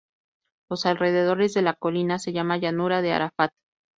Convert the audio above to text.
Los alrededores de la colina se llama llanura de Arafat.